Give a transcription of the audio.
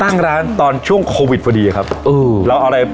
นั่งร้านตอนช่วงโควิดพอดีครับเออเราเอาอะไร